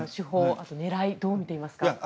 あと狙い、どうみていますか？